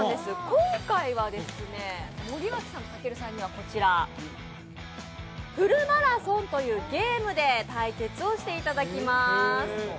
今回は森脇さんとたけるさんにはこちら、フルマラソンというゲームで対決をしていただきます。